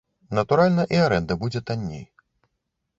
Натуральна, і арэнда будзе танней.